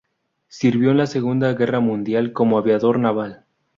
Sirvió en la Segunda Guerra Mundial como aviador naval.